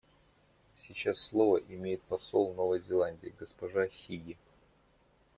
Сейчас слово имеет посол Новой Зеландии госпожа Хигги.